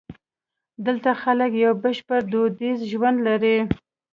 دلته خلک یو بشپړ دودیز ژوند لري.